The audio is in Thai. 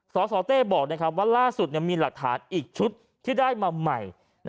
สสเต้บอกว่าล่าสุดมีหลักฐานอีกชุดที่ได้มาใหม่